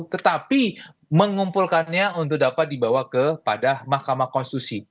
tetapi mengumpulkannya untuk dapat dibawa kepada mahkamah konstitusi